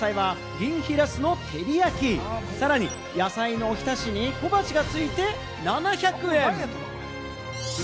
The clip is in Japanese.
この日の主菜は、銀ひらすの照り焼き、さらに野菜のおひたしに小鉢がついて７００円。